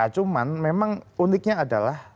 cuman memang uniknya adalah